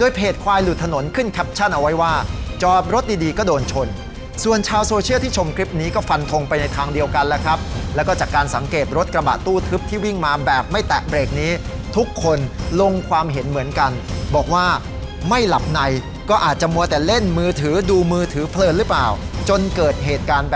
ด้วยเพจควายหรือถนนขึ้นแคปชั่นเอาไว้ว่าจอบรถดีก็โดนชนส่วนชาวโซเชียลที่ชมคลิปนี้ก็ฟันทงไปในทางเดียวกันแล้วก็จากการสังเกตรถกระบะตู้ทึบที่วิ่งมาแบบไม่แตกเบรคนี้ทุกคนลงความเห็นเหมือนกันบอกว่าไม่หลับในก็อาจจะมัวแต่เล่นมือถือดูมือถือเพลินหรือเปล่าจนเกิดเหตุการณ์แ